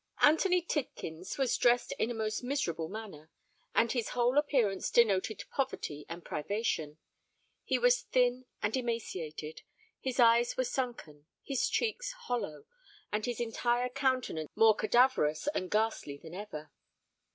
Anthony Tidkins was dressed in a most miserable manner; and his whole appearance denoted poverty and privation. He was thin and emaciated; his eyes were sunken; his cheeks hollow; and his entire countenance more cadaverous and ghastly than ever.